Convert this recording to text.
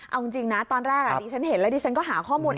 เอาจริงนะตอนแรกดิฉันเห็นแล้วดิฉันก็หาข้อมูล